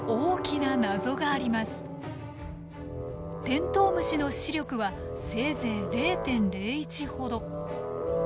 テントウムシの視力はせいぜい０．０１ほど。